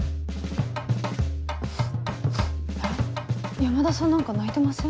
山田さん何か泣いてません？